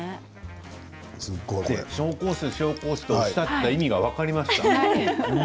紹興酒、紹興酒とおっしゃった意味が分かります。